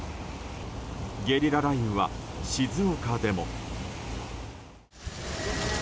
ゲリラ雷雨は、静岡でも。